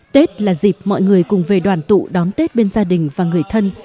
tết là dịp mọi người cùng về đoàn tụ đón tết bên gia đình và người thân